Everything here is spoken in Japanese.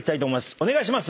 お願いします。